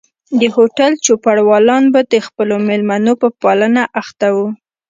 د هوټل چوپړوالان به د خپلو مېلمنو په پالنه اخته وو.